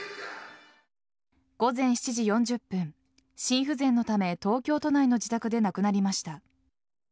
午前７時４０分、心不全のため東京都内の自宅で亡くなりました。